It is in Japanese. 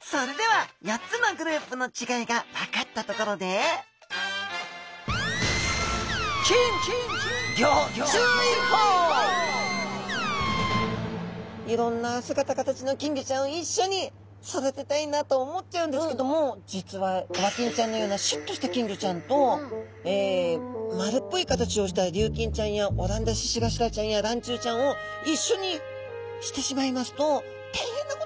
それでは４つのグループの違いが分かったところでいろんな姿形の金魚ちゃんを一緒に育てたいなと思っちゃうんですけども実は和金ちゃんのようなシュッとした金魚ちゃんと丸っぽい形をした琉金ちゃんやオランダ獅子頭ちゃんやらんちゅうちゃんを一緒にしてしまいますと大変なことが起こっちゃうんです。